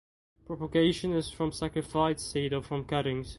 Propagation is from scarified seed or from cuttings.